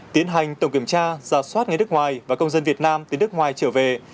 tiến hành tổng kiểm tra giả soát người nước ngoài và công dân việt nam từ nước ngoài trở về